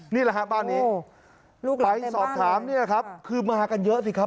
นี่ล่ะฮะบ้านนี้ไปสอบถามเนี่ยคือมากันเยอะสิครับ